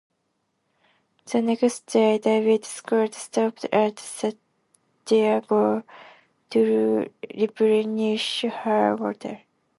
The next day "David Scott" stopped at Santiago to replenish her water.